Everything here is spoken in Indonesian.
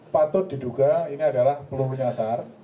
patut diduga ini adalah pelurunya nyasar